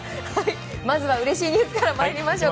まずはうれしいニュースから参りましょう。